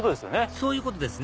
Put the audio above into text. そういうことですね